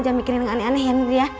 jangan mikirin aneh aneh ya